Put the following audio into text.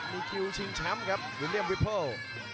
มีคิวชิงแชมป์ครับวิลิอัมวิปเปิ้ล